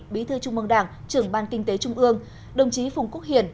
bí thư trung mông đảng trưởng ban kinh tế trung ương đồng chí phùng quốc hiền